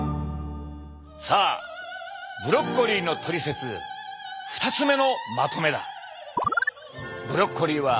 さあブロッコリーのトリセツ２つ目のまとめだ。